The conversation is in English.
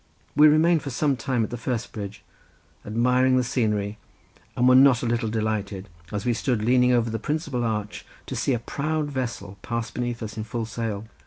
We remained for some time on the first bridge, admiring the scenery, and were not a little delighted, as we stood leaning over the principal arch, to see a proud vessel pass beneath us at full sail.